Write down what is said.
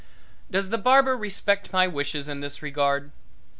Does the barber respect my wishes in this regard?